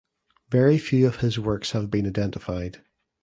Very few of his works have been identified.